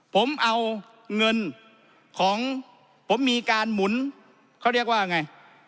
ผมเอาเงินของผมมีการหมุนเขาเรียกว่าไง